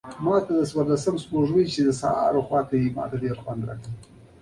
کله چې به مې هدف په ویشتی ډېره به غورځېده.